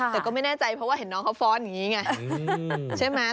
แต่ก็ไม่แน่ใจเพราะเห็นน้องเขาฟ้อนอย่างนี้ไง